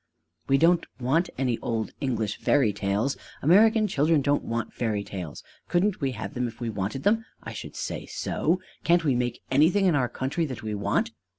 "We don't want any old English fairy tales. American children don't want fairy tales. Couldn't we have them if we wanted them? I should say so. Can't we make anything in our country that we want?"